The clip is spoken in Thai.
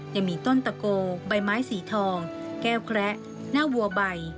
ยังมีต้นตะโกใบไม้สีทองแก้วแคระหน้าวัวใบ